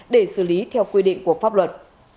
để xử lý theo quy định của pháp luật